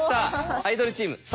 アイドルチーム「３」。